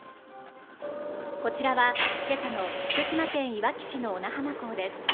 こちらは、今朝の福島県いわき市の小名浜港です。